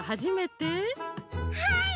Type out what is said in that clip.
はい！